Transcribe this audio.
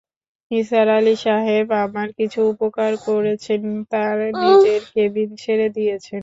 নিসার আলি সাহেব আমার কিছু উপকার করেছেন, তাঁর নিজের কেবিন ছেড়ে দিয়েছেন।